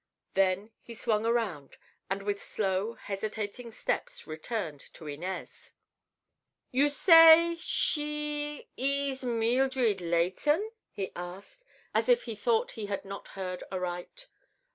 Then he swung around and with slow, hesitating steps returned to Inez. "You say—she—ees Meeldred Leighton?" he asked, as if he thought he had not heard aright.